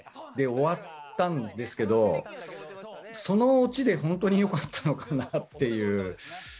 で終わったんですけどそのオチで本当によかったのかなっていう。